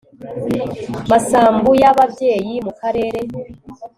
masambu y ababyeyi mu karere